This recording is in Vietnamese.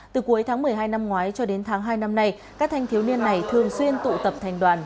từ cuối tháng một mươi hai năm ngoái cho đến tháng hai năm nay các thanh thiếu niên này thường xuyên tụ tập thành đoàn